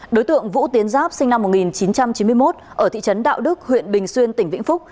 đối tượng vũ tiến giáp sinh năm một nghìn chín trăm chín mươi một ở thị trấn đạo đức huyện bình xuyên tỉnh vĩnh phúc